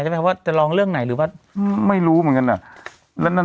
ใช่ไหมครับว่าจะลองเรื่องไหนหรือว่าไม่รู้เหมือนกันอ่ะแล้วนั่น